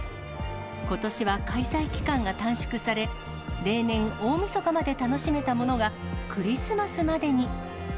ことしは開催期間が短縮され、例年、大みそかまで楽しめたものが、クリスマスまでに。